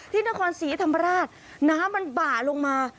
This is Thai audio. ที่นครศรีธรรมราชน้ำมันบ่าลงมา